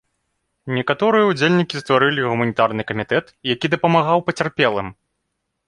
Некаторыя ўдзельнікі стварылі гуманітарны камітэт, які дапамагаў пацярпелым.